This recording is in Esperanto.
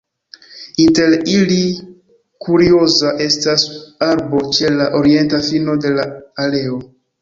Inter ili kurioza estas arbo ĉe la orienta fino de la aleo.